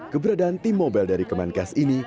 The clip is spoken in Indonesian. keberadaan tim mobile dari kementerian kesehatan ri ini